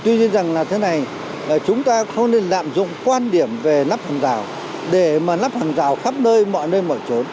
tuy nhiên rằng là thế này chúng ta không nên lạm dụng quan điểm về nắp hàng rào để mà nắp hàng rào khắp nơi mọi nơi mọi chỗ